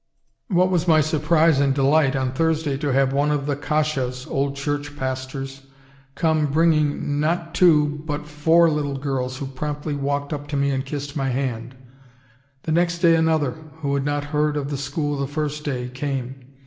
What was my surprise and delight on Thursday to have one of the Kashas (Old Church pastors) come bringing, not two but four little girls who promptly walked up to me and kissed my hand. The next day another, who had not heard of the school the first day, came.